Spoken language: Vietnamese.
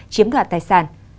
chiếm gạt tài sản